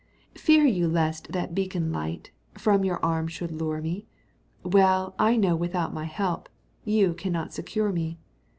Fear you lest that beacon light From your arms should lure me? Well I know without my help You can not secure me.